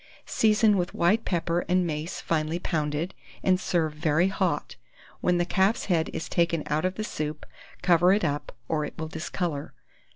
Season with white pepper and mace finely pounded, and serve very hot. When the calf's head is taken out of the soup, cover it up, or it will discolour.